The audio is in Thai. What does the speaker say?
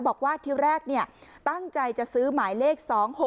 บอกว่าที่แรกตั้งใจจะซื้อหมายเลข๒๖๖